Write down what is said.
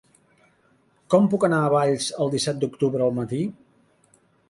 Com puc anar a Valls el disset d'octubre al matí?